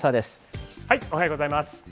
おはようございます。